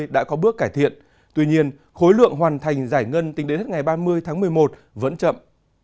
đã có bước cải thiện tuy nhiên khối lượng hoàn thành giải ngân tính đến hết ngày ba mươi tháng một mươi một vẫn chậm